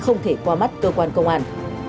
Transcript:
không thể qua mắt cơ quan công an